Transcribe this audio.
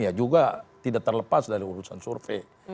ya juga tidak terlepas dari urusan survei